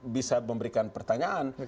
bisa memberikan pertanyaan